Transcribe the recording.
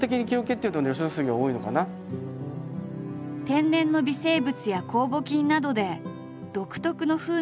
天然の微生物や酵母菌などで独特の風味が出る木桶。